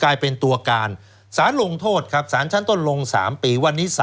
กลายเป็นตัวการศาลลงโทษครับศาลชั้นต้นลง๓ปี